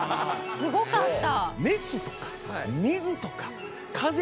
すごかった！